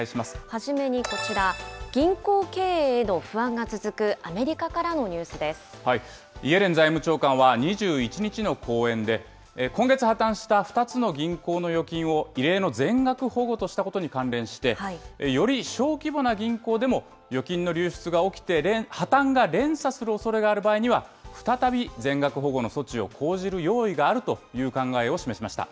初めにこちら、銀行経営への不安が続くアメリカからのニューイエレン財務長官は２１日の講演で、今月破綻した２つの銀行の預金を異例の全額保護としたことに関連して、より小規模な銀行でも、預金の流出が起きて、破綻が連鎖するおそれがある場合には、再び全額保護の措置を講じる用意があるという考えを示しました。